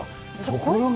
ところが。